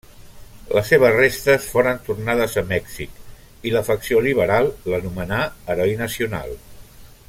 Les seves restes foren tornades a Mèxic, i la facció liberal l'anomenà heroi nacional.